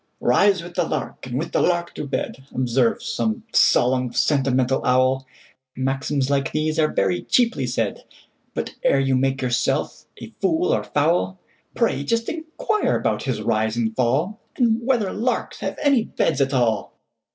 "Rise with the lark, and with the lark to bed,"Observes some solemn, sentimental owl; Maxims like these are very cheaply said; But, ere you make yourself a fool or fowl, Pray just inquire about his rise and fall, And whether larks have any beds at all!